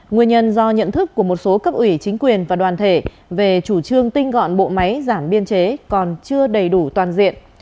nguyên nhân do nhận thức của một số cấp ủy chính quyền và đoàn thể về chủ trương tinh gọn bộ máy giảm biên chế còn chưa đầy đủ toàn diện